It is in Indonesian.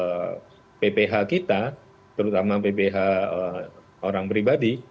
saya pribadi itu lebih senang kalau pph kita terutama pph orang pribadi